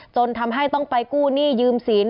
จนทำให้ต้องไปกู้หนี้ยืมสิน